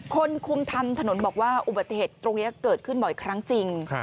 คนคุมทำถนนบอกว่าอุบัติเหตุตรงนี้เกิดขึ้นบ่อยครั้งจริง